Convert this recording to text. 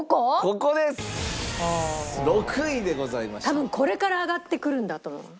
多分これから上がってくるんだと思う。